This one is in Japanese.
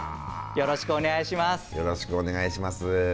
よろしくお願いします。